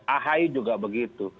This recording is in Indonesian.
ahi juga begitu